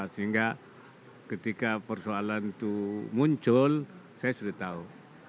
sehingga ketika persoalan itu muncul saya sudah tahu